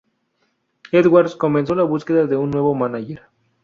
Edwards comenzó la búsqueda de un nuevo mánager.